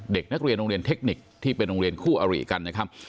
เด็กนักเรียนโรงเรียนเทคนิคที่เป็นโรงเรียนคู่อริกันนะครับ